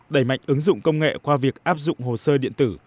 đẩy mạnh ứng dụng công nghệ qua việc áp dụng hồ sơ điện tử